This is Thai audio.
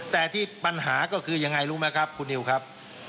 แต่ที่ปัญหาก็คือยังไงรู้ไหมครับคุณนิวครับ